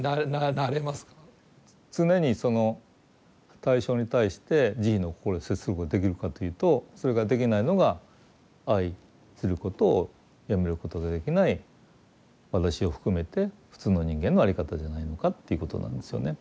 常にその対象に対して慈悲の心で接することができるかというとそれができないのが愛することをやめることができない私を含めて普通の人間の在り方じゃないのかっていうことなんですよね。